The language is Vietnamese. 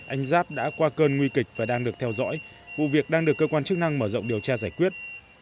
anh giáp đã qua cơn nguy kịch và đang được theo dõi vụ việc đang được cơ quan chức năng mở rộng điều tra giải quyết